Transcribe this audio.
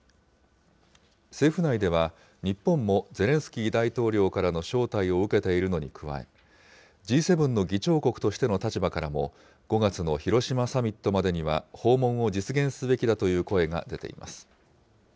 政府内では日本もゼレンスキー大統領からの招待を受けているのに加え、Ｇ７の議長国としての立場からも、５月の広島サミットまでには訪問を実現すべきだという声が出ています。